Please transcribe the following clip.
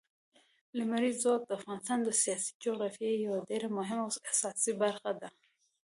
لمریز ځواک د افغانستان د سیاسي جغرافیې یوه ډېره مهمه او اساسي برخه ده.